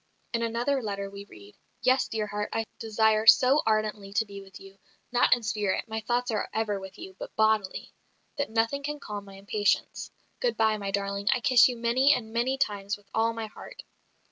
In another letter we read, "Yes, dear heart, I desire so ardently to be with you not in spirit, my thoughts are ever with you, but bodily that nothing can calm my impatience. Good bye, my darling. I kiss you many and many times with all my heart."